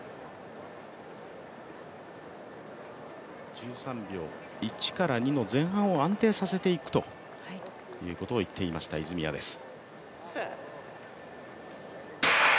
１３秒１から２の前半を安定させていくということを言っていました泉谷です。